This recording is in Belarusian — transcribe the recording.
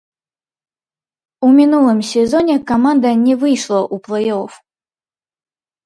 У мінулым сезоне каманда не выйшла ў плэй-оф.